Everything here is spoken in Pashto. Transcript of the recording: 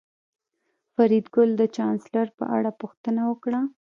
فریدګل د چانسلر په اړه پوښتنه وکړه